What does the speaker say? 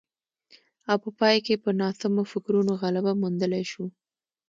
او په پای کې په ناسمو فکرونو غلبه موندلای شو